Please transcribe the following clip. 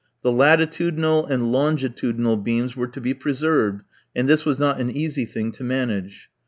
The latitudinal and longitudinal beams were to be preserved, and this was not an easy thing to manage.